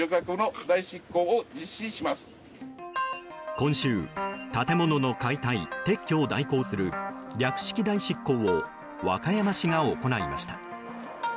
今週、建物の解体・撤去を代行する略式代執行を和歌山市が行いました。